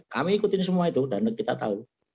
kami ikutin semua itu dan kita tahu